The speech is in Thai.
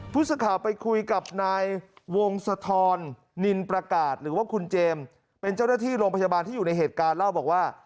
ผู้สื่อข่าวไปคุยกับนายวงศธรนินประกาศหรือว่าคุณเจมส์เป็นเจ้าหน้าที่โรงพยาบาลที่อยู่ในเหตุการณ์เล่าบอกว่า